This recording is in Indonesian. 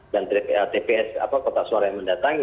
dan tps atau kotak suara yang mendatangi